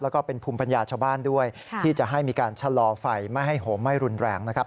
แล้วก็เป็นภูมิปัญญาชาวบ้านด้วยที่จะให้มีการชะลอไฟไม่ให้โหมไหม้รุนแรงนะครับ